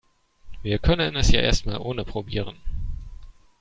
Wir können es ja erst mal ohne probieren.